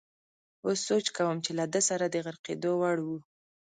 اوس سوچ کوم چې له ده سره د غرقېدو وړ وو.